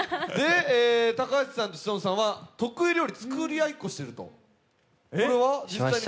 高橋さんと志尊さんは得意料理を作りあいっこしているって？